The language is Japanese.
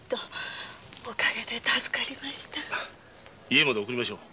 家まで送りましょう。